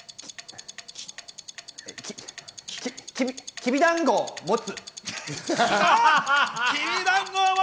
きびだんごを持つ。